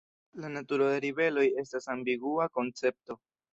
La naturo de ribeloj estas ambigua koncepto.